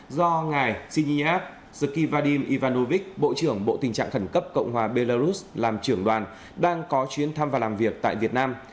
do ngài sinh nhĩ áp zkivadim ivanovic bộ trưởng bộ tình trạng khẩn cấp cộng hòa belarus làm trưởng đoàn đang có chuyến thăm và làm việc tại việt nam